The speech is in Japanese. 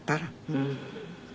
うん。